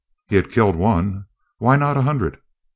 He had killed one. Why not a hundred?